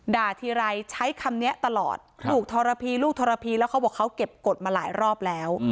ทีไรใช้คำนี้ตลอดถูกทรพีลูกทรพีแล้วเขาบอกเขาเก็บกฎมาหลายรอบแล้ว